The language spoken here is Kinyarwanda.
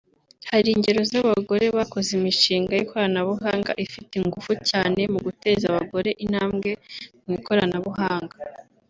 hari ingero z’abagore bakoze imishinga y’ikoranabuhanga ifite ingufu cyane mu guteza abagore intambwe mu ikoranabuhanga